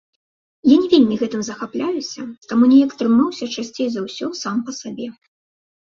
Я не вельмі гэтым захапляюся, таму неяк трымаўся часцей за ўсё сам па сабе.